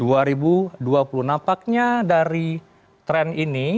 apakah penampaknya dari tren ini